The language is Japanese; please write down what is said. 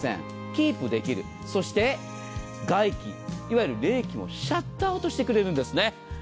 キープできるそして外気、いわゆる冷気をシャットアウトしてくれるんです。